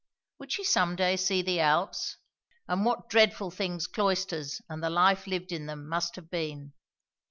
Would she some day see the Alps? and what dreadful things cloisters and the life lived in them must have been!